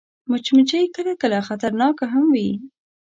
مچمچۍ کله کله خطرناکه هم وي